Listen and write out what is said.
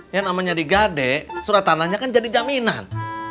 yang namanya digade surat tanahnya kan jadi jaminan